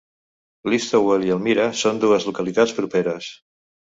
Listowel i Elmira són dues localitats properes.